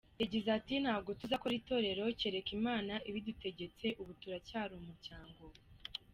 Yagize ati ”Ntabwo tuzakora itorero, kereka Imana ibidutegetse, ubu turacyari umuryango”.